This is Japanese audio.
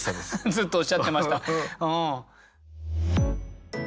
ずっとおっしゃってました。